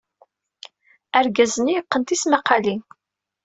Argaz-nni yeqqen tismaqqalin.